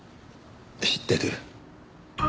知ってる。